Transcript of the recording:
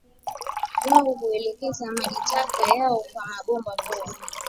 Wao huelekeza maji taka yao kwa mambo poa